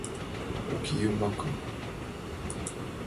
— Уке, йомакым...